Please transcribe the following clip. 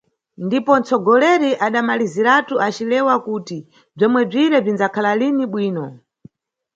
Ndipo nʼtsogoleri adamaliziratu acilewa kuti bzomwebzire bzindzakhala lini bwino.